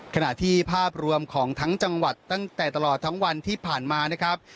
ขณะที่ภาพรวมของทั้งจังหวัดตั้งแต่ตลอดทั้งวันที่ผ่านมานะครับ